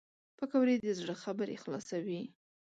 پکورې د زړه خبرې خلاصوي